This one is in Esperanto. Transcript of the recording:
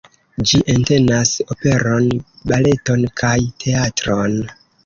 Ĝi entenas operon, baleton kaj teatron.